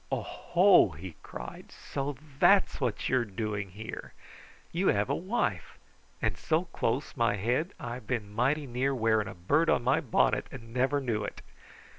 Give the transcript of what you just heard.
"O ho!" he cried. "So THAT'S what you are doing here! You have a wife. And so close my head I have been mighty near wearing a bird on my bonnet, and never knew it!"